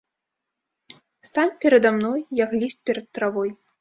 Стань перада мной, як ліст перад травой!